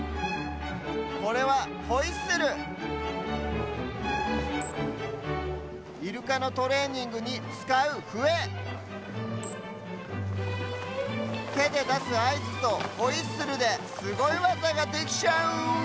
これはホイッスルイルカのトレーニングにつかうふえてでだすあいずとホイッスルですごいわざができちゃう！